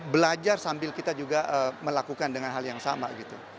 belajar sambil kita juga melakukan dengan hal yang sama gitu